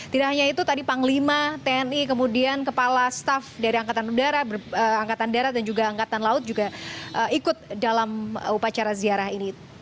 tidak hanya itu tadi panglima tni kemudian kepala staff dari angkatan darat dan juga angkatan laut juga ikut dalam upacara ziarah ini